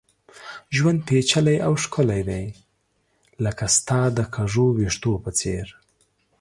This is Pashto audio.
ژوند پېچلی او ښکلی دی ، لکه ستا د کږو ويښتو په څېر